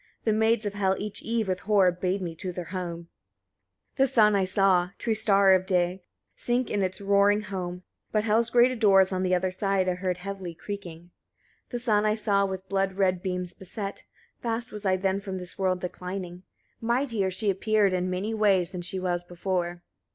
The maids of Hel each eve with horror bade me to their home. 39. The sun I saw, true star of day, sink in its roaring home; but Hel's grated doors on the other side I heard heavily creaking. 40. The sun I saw with blood red beams beset: (fast was I then from this world declining) mightier she appeared, in many ways, than she was before.